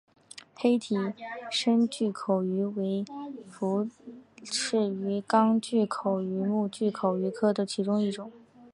黑体深巨口鱼为辐鳍鱼纲巨口鱼目巨口鱼科的其中一种。